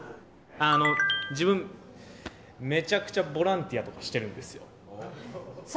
自分めちゃくちゃボランティアとかしてるんですよ。